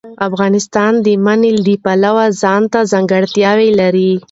افغانستان د منی د پلوه ځانته ځانګړتیا لري.